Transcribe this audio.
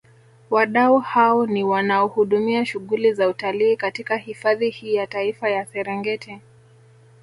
Wadau hao ni wanaohudumia shughuli za utalii katika hifadhi hii ya Taifa ya Serengeti